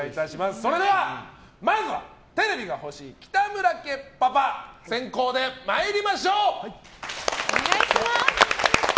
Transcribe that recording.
それでは、まずはテレビが欲しい北村家パパ先攻で参りましょう。